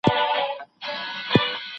پرشتي له نور څخه پیدا سوي دي.